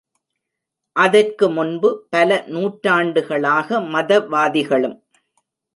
அதற்கு முன்பு பல நூற்றாண்டுகளாக மதவாதிகளும்.